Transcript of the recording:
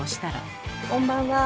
こんばんは。